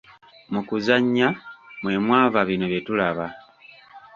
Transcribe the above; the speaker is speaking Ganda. Mu kuzannya mwe mwava bino byetulaba.